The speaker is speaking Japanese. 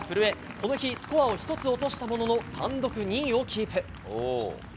この日スコアを１つ落としたものの単独２位をキープ。